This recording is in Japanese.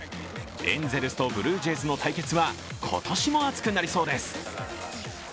エンゼルスとブルージェイズの対決は、今年も熱くなりそうです。